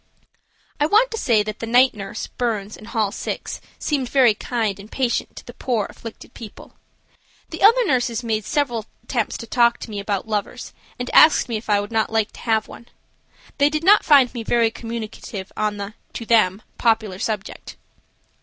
I want to say that the night nurse, Burns, in hall 6, seemed very kind and patient to the poor, afflicted people. The other nurses made several attempts to talk to me about lovers, and asked me if I would not like to have one. They did not find me very communicative on the–to them–popular subject.